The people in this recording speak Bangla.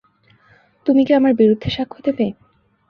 তুমি কি আমার বিরুদ্ধে সাক্ষ্য দেবে?